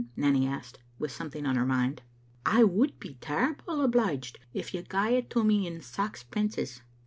Nanny asked, with something on her mind. " I would be terrible obliged if you gae it to me in saxpences."